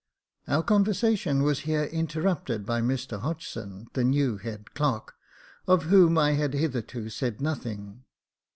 Our conversation was here interrupted by Mr Hodgson, the new head clerk, of whom I have hitherto said nothing.